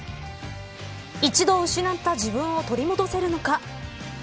一度失った自分を取り戻せるのか。